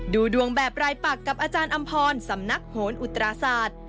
ดูดวงแบบรายปักกับอาจารย์อำพรสำนักโหนอุตราศาสตร์